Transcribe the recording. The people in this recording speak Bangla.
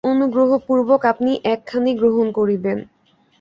অনুগ্রহপূর্বক আপনি একখানি গ্রহণ করিবেন।